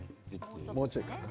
もうちょいかな。